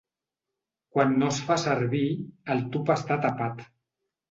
Quan no es fa servir, el tub està tapat.